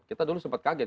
kita dulu sempat kaget